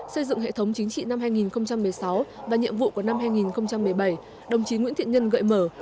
xây dựng hệ thống chính trị năm hai nghìn một mươi sáu và nhiệm vụ của năm hai nghìn một mươi bảy đồng chí nguyễn thiện nhân gợi mở